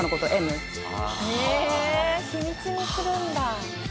へえ秘密にするんだ。